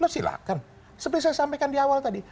silahkan seperti saya sampaikan di awal tadi